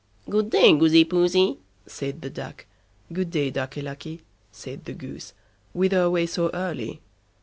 "Good day, Goosey Poosey", said the Duck. "Good day, Ducky Lucky", said the Goose, "whither away so early?"